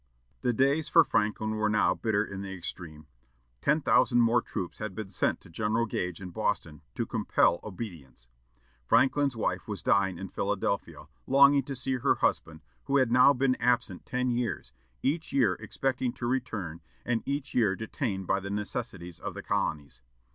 The days for Franklin were now bitter in the extreme. Ten thousand more troops had been sent to General Gage in Boston, to compel obedience. Franklin's wife was dying in Philadelphia, longing to see her husband, who had now been absent ten years, each year expecting to return, and each year detained by the necessities of the colonies.